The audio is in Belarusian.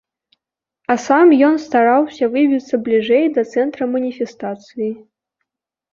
А сам ён стараўся выбіцца бліжэй да цэнтра маніфестацыі.